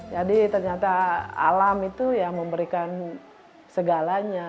jadi ternyata alam itu ya memberikan segalanya